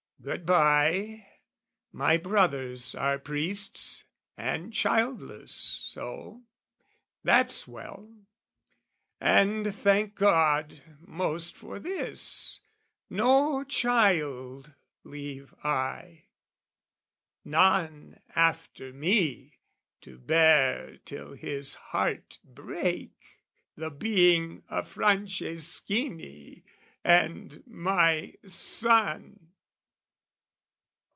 Good bye! "My brothers are priests, and childless so; that's well "And, thank God most for this, no child leave I "None after me to bear till his heart break "The being a Franceschini and my son!"